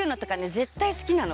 絶対好きなの。